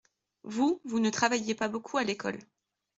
Vous, vous ne travailliez pas beaucoup à l’école.